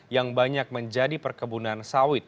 yang banyak menjadi perkebunan sawit